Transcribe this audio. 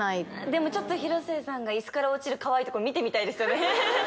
でもちょっと広末さんが椅子から落ちるかわいいとこ見てみたいですよね。